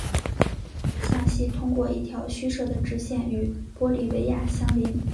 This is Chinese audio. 向西通过一条虚设的直线与玻利维亚相邻。